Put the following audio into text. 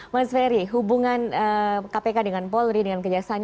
mas ferry hubungan kpk dengan paul ri dengan kejaksaan